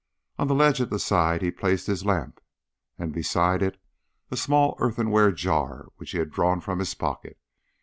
On the ledge at the side he placed his lamp, and beside it a small earthenware jar which he had drawn from his pocket.